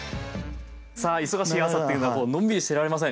さあ忙しい朝っていうのはのんびりしてられません。